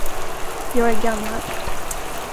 Jag är gammal.